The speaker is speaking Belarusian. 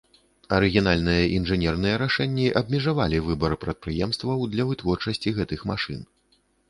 Арыгінальныя інжынерныя рашэнні абмежавалі выбар прадпрыемстваў для вытворчасці гэтых машын.